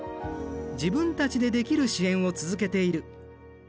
自分たちでできる支援を続けている。